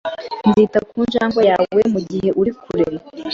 Nzita ku njangwe yawe mugihe uri kure